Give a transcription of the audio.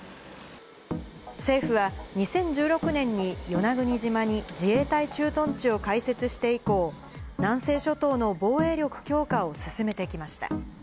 政府は、２０１６年に与那国島に自衛隊駐屯地を開設して以降、南西諸島の防衛力強化を進めてきました。